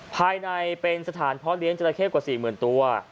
ภายในเป็นสถานเพาะเลี้ยงจราเข้กว่า๔๐๐๐ตัว